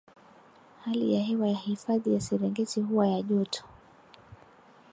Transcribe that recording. hali ya hewa ya hifadhi ya serengeti huwa ya joto